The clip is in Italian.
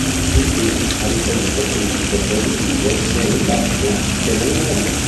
Il film ha ricevuto critiche positive sia in Italia che nel mondo.